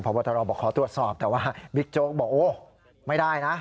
พบตรบอกขอตรวจสอบแต่ว่าบิ๊กโจ๊กบอกโอ้ไม่ได้นะ